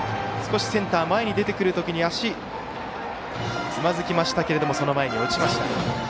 少しセンター前に出てくるときに足をつまずきましたがその前に落ちました。